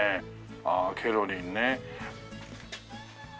ああケロリンね。